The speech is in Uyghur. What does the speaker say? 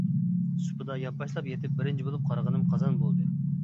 سۇپىدا يانپاشلاپ يېتىپ بىرىنچى بولۇپ قارىغىنىم قازان بولدى.